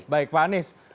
baik pak anies